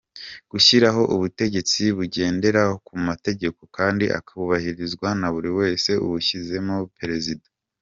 · Gushyiraho ubutegetsi bugendera ku mutageko kandi akubahirizwa na buri wese ushyizemo na Perezida.